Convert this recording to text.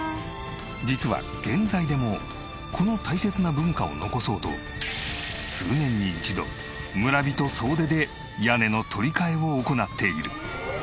実は現在でもこの大切な文化を残そうと数年に１度村人総出で屋根の取り替えを行っている。